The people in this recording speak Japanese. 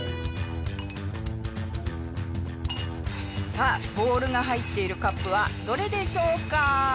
さあボールが入っているカップはどれでしょうか？